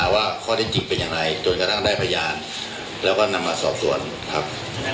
ว่าข้อได้จริงเป็นอย่างไรจนกระทั่งได้พยานแล้วก็นำมาสอบสวนครับ